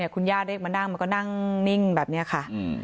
คุณย่าเรียกมานั่งมันก็นั่งนิ่งแบบนี้ค่ะ